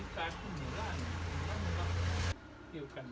สวัสดีทุกคน